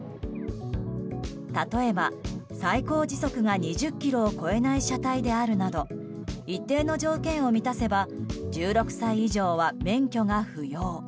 例えば、最高時速が２０キロを超えない車体であるなど一定の条件を満たせば１６歳以上は免許が不要。